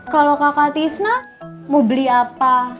kalau kakak tisna mau beli apa